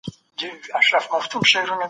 د اقلیم بدلون نړیوال پیوستون ته اړتیا لري.